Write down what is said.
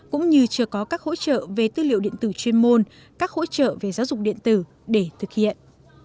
cũng như chưa có các hỗ trợ về tư liệu điện tử chuyên môn các hỗ trợ về giáo dục điện tử để thực hiện